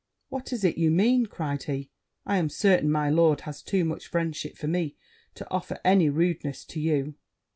'What is it you mean?' cried he. 'I am certain my lord has too much friendship for me to offer any rudeness to you.'